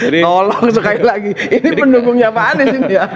tolong sekali lagi ini pendukungnya pak anies ini ya